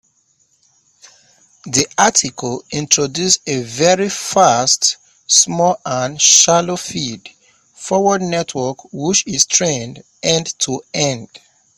The article introduces a very fast, small, and shallow feed-forward network which is trained end-to-end.